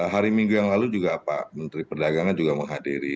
hari minggu yang lalu juga pak menteri perdagangan juga menghadiri